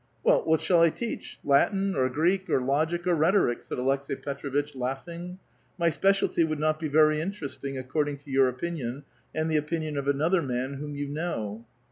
, ^^ell, what shall I teach? Latin or Greek or logic or j^.^Hc?" said Aleks^i Petrovitch, laughing. *' My spe I ^y would not be very interesting, according to your opin ^l ^iid the opinion of another man whom you know."